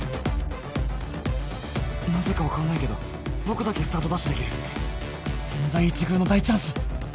なぜか分かんないけど僕だけスタートダッシュできる千載一遇の大チャンス・